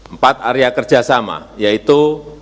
empat area kerjasama yaitu